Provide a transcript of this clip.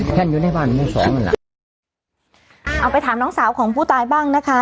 แค่อยู่ในบ้านนี้สองน่ะเอาไปถามน้องสาวของผู้ตายบ้างนะคะ